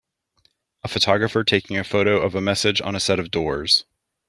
A photographer taking a photo of a message on a set of doors.